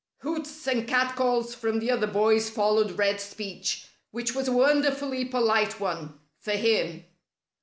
Hoots and catcalls from the other boys followed Red's speech, which was a wonderfully polite one for him.